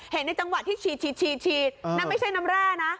ในจังหวะที่ฉีดนั่นไม่ใช่น้ำแร่นะ